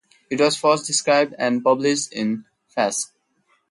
It was first described and published in Fasc.